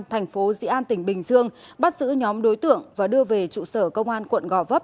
thành phố dị an tỉnh bình dương bắt giữ nhóm đối tượng và đưa về trụ sở công an quận gò vấp